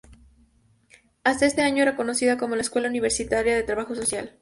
Hasta ese año era conocida como la Escuela Universitaria de Trabajo Social.